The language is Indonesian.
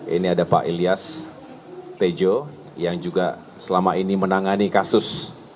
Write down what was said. ini ada pak ilyas tejo yang juga selama ini menangani kasus